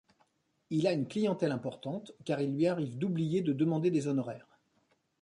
Il a une clientèle importante car il lui arrive d’oublier de demander des honoraires.